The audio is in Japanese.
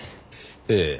ええ。